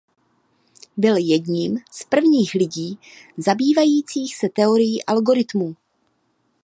Byl jedním z prvních lidí zabývajících se teorií algoritmů.